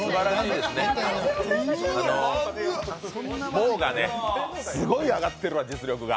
ＭＯＷがね、すごい上がってるわ実力が。